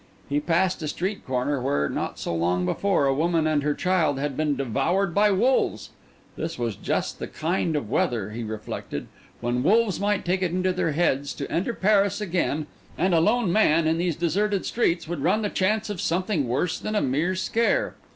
He passed a street corner, where, not so long before, a woman and her child had been devoured by wolves. This was just the kind of weather, he reflected, when wolves might take it into their heads to enter Paris again; and a lone man in these deserted streets would run the chance of something worse than a mere scare.